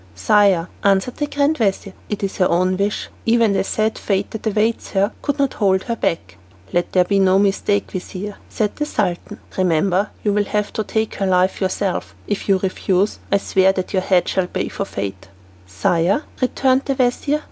"Sire," answered the grand vizir, "it is her own wish. Even the sad fate that awaits her could not hold her back." "Let there be no mistake, vizir," said the Sultan. "Remember you will have to take her life yourself. If you refuse, I swear that your head shall pay forfeit." "Sire," returned the vizir.